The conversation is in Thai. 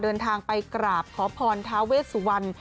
เดินทางไปกราบขอพรทาเวสสุวรรณ